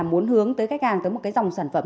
muốn hướng tới khách hàng tới một cái dòng sản phẩm